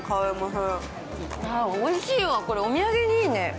おいしいわ、これ、お土産にいいね。